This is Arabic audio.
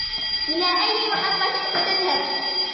إلى أي محطة ستذهب ؟